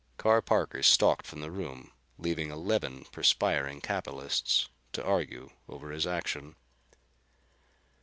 Carr Parker stalked from the room, leaving eleven perspiring capitalists to argue over his action.